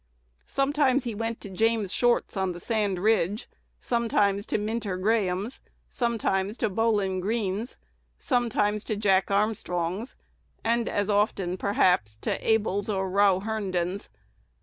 Sometimes he went to James Short's on the Sand Ridge; sometimes to Minter Graham's; sometimes to Bowlin Greenes; sometimes to Jack Armstrong's, and as often, perhaps, to Able's or Row Herndon's.